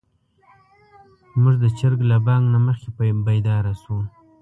موږ د چرګ له بانګ نه مخکې بيدار شوو.